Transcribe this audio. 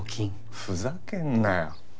ふざけんなよ！